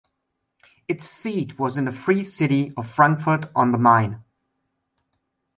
Its seat was in the Free City of Frankfurt on the Main.